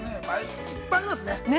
いっぱいありますね。